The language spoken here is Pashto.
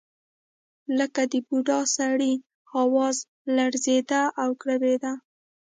لکه د بوډا سړي اواز لړزېده او ګړبېده.